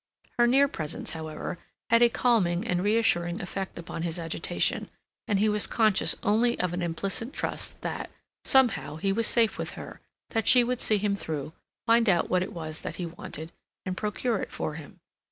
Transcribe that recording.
Her near presence, however, had a calming and reassuring effect upon his agitation, and he was conscious only of an implicit trust that, somehow, he was safe with her, that she would see him through, find out what it was that he wanted, and procure it for him.